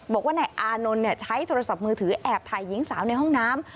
บอกว่านายอานนท์ใช้โทรศัพท์มือถือแอบถ่ายหญิงสาวในห้องน้ำ